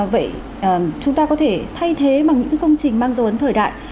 vậy chúng ta có thể thay thế bằng những công trình mang dấu ấn thời đại